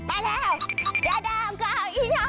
ไปแล้วนายแต่ราวอีหนา